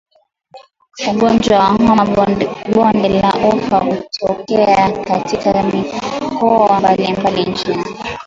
Ugonjwa wa homa ya bonde la ufa hutokea katika mikoa mbalimbali nchini